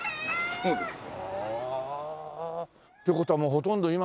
そうですね。